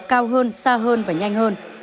cao hơn xa hơn và nhanh hơn